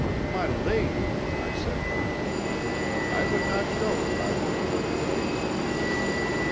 "'My lady,' I said, trembling, 'I would not go if I were in your place.'